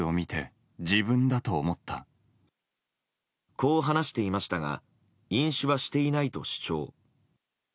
こう話していましたが飲酒はしていないと主張。